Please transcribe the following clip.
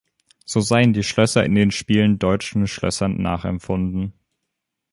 So seien die Schlösser in den Spielen deutschen Schlössern nachempfunden.